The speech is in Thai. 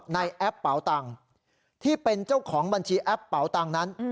แอปเป๋าตังค์ที่เป็นเจ้าของบัญชีแอปเป๋าตังค์นั้น